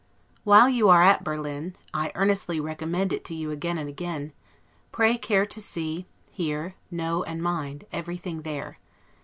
While you are at Berlin (I earnestly recommend it to you again and again) pray CARE to see, hear, know, and mind, everything there.